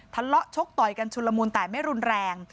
ชกต่อยกันชุลมูลแต่ไม่รุนแรง